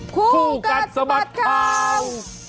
คู่กัดสมัครครับ